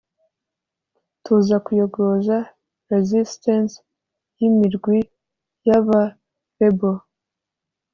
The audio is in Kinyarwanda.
Tuza tuyogoza resistance y’imirwi y’aba rebel